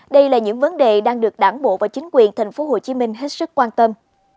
đây là những vấn đề đang được đảng bộ và chính quyền tp hcm hết sức quan tâm